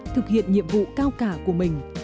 thực hiện nhiệm vụ cao cả của mình